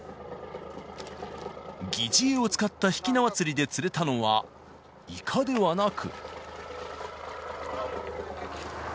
疑似餌を使った引き縄釣りで釣れたのはイカではなく。